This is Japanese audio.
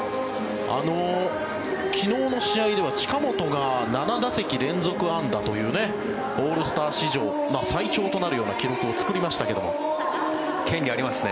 昨日の試合では近本が７打席連続安打というオールスター史上最長となるような記録を権利ありますね。